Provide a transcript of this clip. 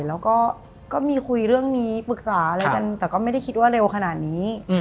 แล้วก็ก็มีคุยเรื่องนี้ปรึกษาอะไรกันแต่ก็ไม่ได้คิดว่าเร็วขนาดนี้